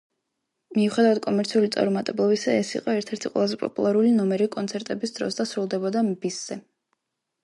მიუხედავად კომერციული წარუმატებლობისა, ეს იყო ერთ-ერთი ყველაზე პოპულარული ნომერი კონცერტების დროს და სრულდებოდა ბისზე.